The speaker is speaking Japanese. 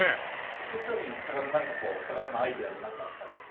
季節商品高田さんなんかこう高田さんのアイデアなんかあったり。